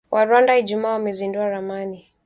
wa Rwanda Ijumaa wamezindua ramani